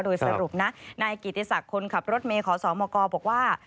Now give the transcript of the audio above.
โดยสรุปนะนายกิติศักดิ์คนขับรถเมย์ขอสมกบอกว่า